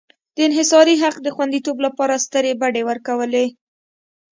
د انحصاري حق د خوندیتوب لپاره سترې بډې ورکولې.